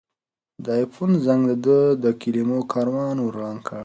د آیفون زنګ د ده د کلمو کاروان ور ړنګ کړ.